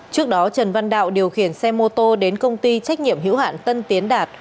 trước đó trần văn đạo điều khiển xe mô tô đến công ty trách nhiệm hữu hạn tân tiến đạt